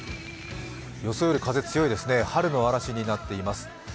予想より風強いですね、春の嵐になっています。